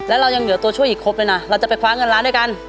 แล้วเรายังเหลือตัวช่วยอีกครบเลยนะเราจะไปคว้าเงินล้านด้วยกัน